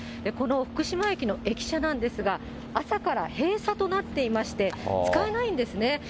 この福島駅の駅舎なんですが、朝から閉鎖となっていまして、使えないんですね。